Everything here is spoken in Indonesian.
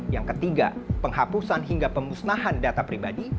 yang ketiga penghapusan hingga pemusnahan data pribadi